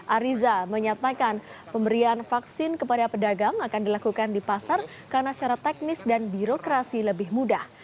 ariza menyatakan pemberian vaksin kepada pedagang akan dilakukan di pasar karena secara teknis dan birokrasi lebih mudah